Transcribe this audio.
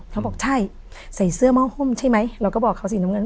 เขาบอกใช่ใส่เสื้อหม้อหุ้มใช่ไหมเราก็บอกเขาสีน้ำเงิน